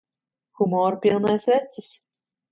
Humora pilnais vecis!